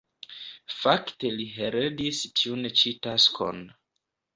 Fakte li heredis tiun ĉi taskon.